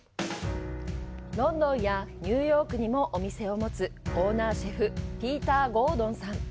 ロンドンやニューヨークにもお店を持つオーナーシェフ、ピーター・ゴードンさん。